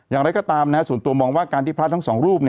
อย่างไรก็ตามส่วนตัวมองว่าการที่พระทั้งสองรูป